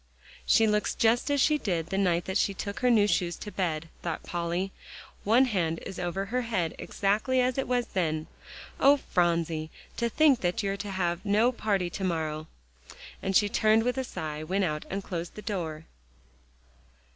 "She looks just as she did the night she took her new shoes to bed," thought Polly; "one hand is over her head, exactly as it was then. Oh, Phronsie! to think that you're to have no party to morrow," and she turned off with a sigh, went out, and closed the door.